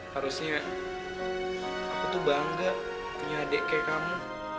harusnya aku tuh bangga punya adik kayak kamu